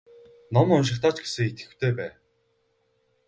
Ном уншихдаа ч гэсэн идэвхтэй бай.